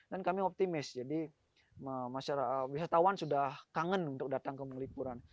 dan kami optimis jadi wisatawan sudah kangen untuk datang ke penglipuran